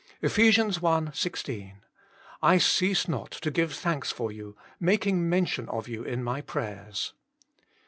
Eph. i 16: "I cease not to give thanks for you, making mention of you in my prayers."